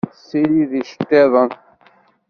Tessirid iceṭṭiden.